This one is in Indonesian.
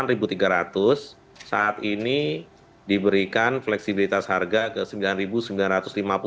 rp delapan tiga ratus saat ini diberikan fleksibilitas harga ke rp sembilan sembilan ratus